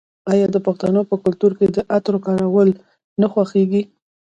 آیا د پښتنو په کلتور کې د عطرو کارول نه خوښیږي؟